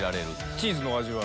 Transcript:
チーズのお味は？